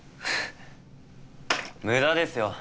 無駄ですよ。